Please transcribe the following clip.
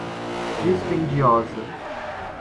dispendiosa